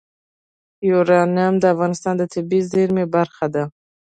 یورانیم د افغانستان د طبیعي زیرمو برخه ده.